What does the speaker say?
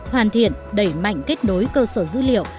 hoàn thiện đẩy mạnh kết nối cơ sở dữ liệu